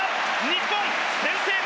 日本先制点！